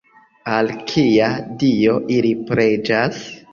Al kia dio ili preĝas?